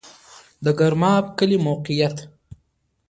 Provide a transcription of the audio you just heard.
د ګرماب کلی موقعیت